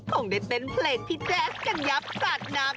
คงได้เต้นเพลงพี่แจ๊สกันยับสาดน้ำ